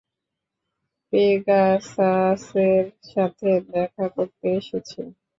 পেগাসাসের সাথে দেখা করতে এসেছি।